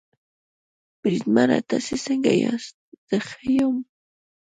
بریدمنه تاسې څنګه یاست؟ زه ښه یم.